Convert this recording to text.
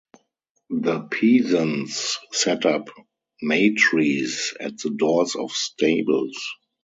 The peasants set up May-trees at the doors of stables.